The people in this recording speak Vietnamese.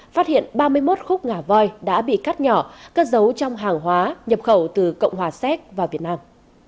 phát hiện ba mươi một khúc ngà voi đã bị cắt nhỏ cất giấu trong hàng hóa nhập khẩu từ cộng hòa séc vào việt nam